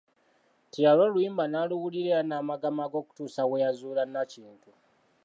Teyalwa oluyimba n'aluwulira era n'amagamaga okutuusa bwe yazuula Nakintu.